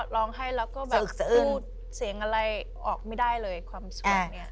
ร้องไห้แล้วก็แบบพูดเสียงอะไรออกไม่ได้เลยความสุขเนี่ย